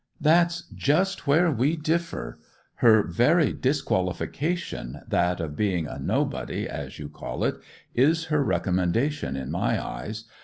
'That's just where we differ. Her very disqualification, that of being a nobody, as you call it, is her recommendation in my eyes.